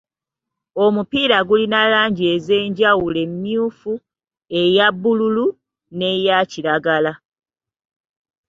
Omupiira gulina langi ez'enjawulo emyufu, eya bbululu, n'eya kiragala.